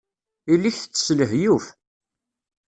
Yelli-k tettess lehyuf.